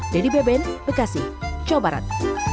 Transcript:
dedy beben bekasi jawa barat